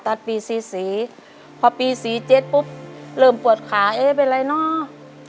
ตัดปี๔๐ขอบพี่๔๗ปุ๊บเริ่มปวดขาจะเป็นอะไรเนจ